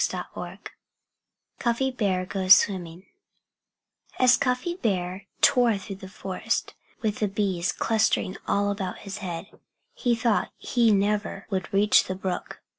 XVII CUFFY BEAR GOES SWIMMING As Cuffy Bear tore through the forest, with the bees clustering all about his head, he thought he never would reach the brook.